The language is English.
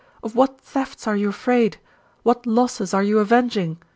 Of what thefts are you afraid ? What losses are you avenging?